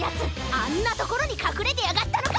あんなところにかくれてやがったのか！